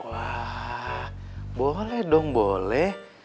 wah boleh dong boleh